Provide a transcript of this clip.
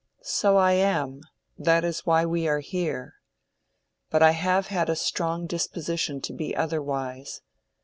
"So I am; that is why we are here. But I have had a strong disposition to be otherwise.